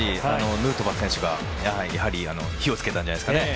ヌートバー選手がやはり火を付けたんじゃないですかね。